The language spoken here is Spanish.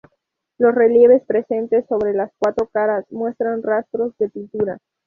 Los relieves, presentes sobre las cuatro caras, muestran rastros de pintura.